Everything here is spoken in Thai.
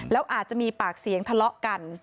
แล้วอาจจะมีปากเสียงทะเลาะกัน